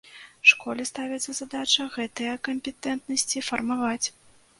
Школе ставіцца задача гэтыя кампетэнтнасці фармаваць.